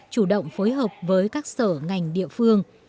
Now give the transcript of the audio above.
chủ động phối hợp với các sở ngành địa phương